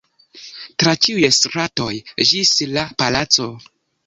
tra ĉiuj stratoj ĝis la palaco.